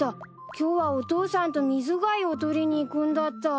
今日はお父さんとミズ貝を採りに行くんだった。